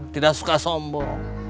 tidak suka sombong